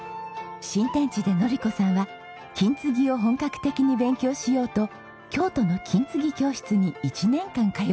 新天地でのり子さんは金継ぎを本格的に勉強しようと京都の金継ぎ教室に１年間通いました。